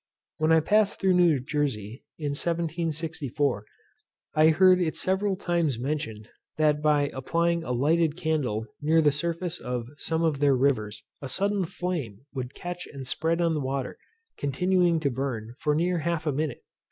When I passed through New Jersey in 1764, I heard it several times mentioned, that by applying a lighted candle near the surface of some of their rivers, a sudden flame Would catch and spread on the water, continuing to burn for near half a minute.